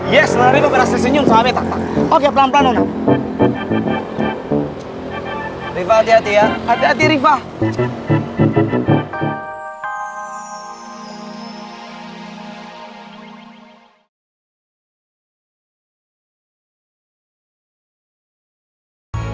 yes nona riva berhasil senyum soalnya tak pang